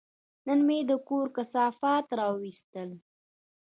نن مې د کور کثافات وایستل.